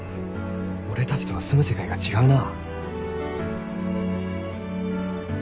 俺たちとは住む世界が違うな。